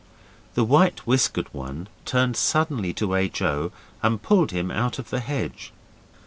The white whiskered one turned suddenly to H. O. and pulled him out of the hedge.